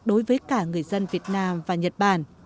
đối với cả người dân việt nam và nhật bản